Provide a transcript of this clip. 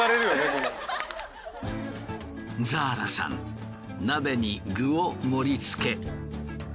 ザーラさん鍋に具を盛りつけ。